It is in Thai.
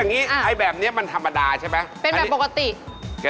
นี่เขาทำเอง